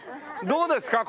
どうですか？